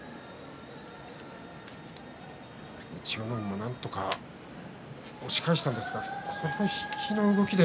千代の海もなんとか押し返したんですがこの引きの動きで。